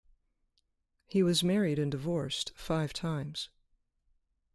He was married and divorced five times.